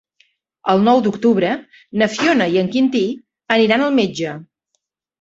El nou d'octubre na Fiona i en Quintí aniran al metge.